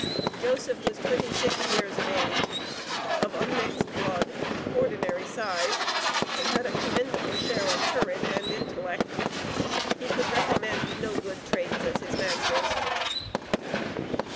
Joseph was twenty six years of age, of unmixed blood, ordinary size, and had a commendable share of courage and intellect. He could recommend no good traits as his master's.